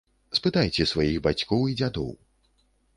Спытайце сваіх бацькоў і дзядоў.